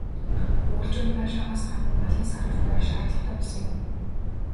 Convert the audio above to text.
Өвөлжөөнд байшингаас гадна малын "саравч" барих шаардлагатай болсон юм.